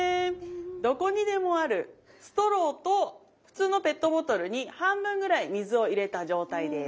どこにでもあるストローと普通のペットボトルに半分ぐらい水を入れた状態です。